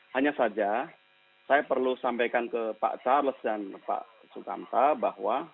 hanya saja saya perlu sampaikan ke pak charles dan pak sukamta bahwa